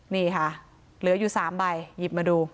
นี่ค่ะเหลืออยู่๓ใบหยิบมาดู